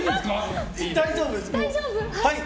大丈夫です、はい。